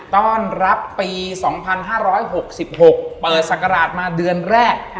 ต้อนรับปี๒๕๖๖เปิดศักราชมาเดือนแรก